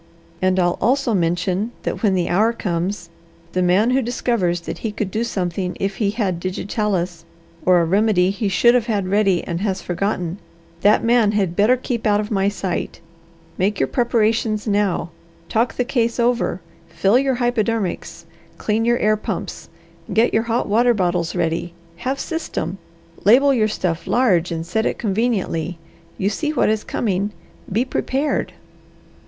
And I'll also mention that, when the hour comes, the man who discovers that he could do something if he had digitalis, or a remedy he should have had ready and has forgotten, that man had better keep out of my sight. Make your preparations now. Talk the case over. Fill your hypodermics. Clean your air pumps. Get your hot water bottles ready. Have system. Label your stuff large and set it conveniently. You see what is coming, be prepared!"